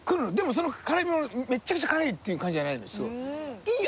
その辛みもめっちゃくちゃ辛いっていう感じじゃないんですいい